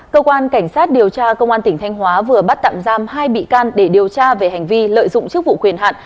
cơ quan cảnh sát điều tra công an tỉnh thanh hóa vừa bắt tạm giam hai bị can để điều tra về hành vi lợi dụng chức vụ quyền hạn